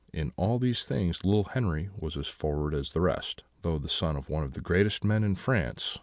In all these things little Henri was as forward as the rest, though the son of one of the greatest men in France.